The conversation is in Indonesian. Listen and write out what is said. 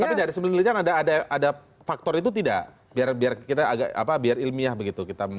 ya tapi dari sebelumnya ada faktor itu tidak biar kita agak apa biar ilmiah begitu kita memasuki